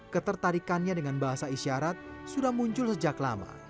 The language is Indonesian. ketertarikannya dengan bahasa isyarat sudah muncul sejak lama